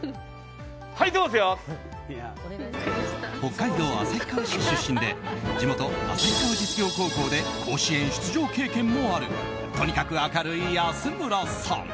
北海道旭川市出身で地元・旭川実業高校で甲子園出場経験もあるとにかく明るい安村さん。